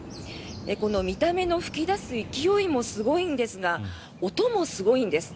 この見た目の噴き出す勢いもすごいんですが音もすごいんです。